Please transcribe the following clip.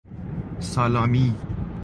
سالامی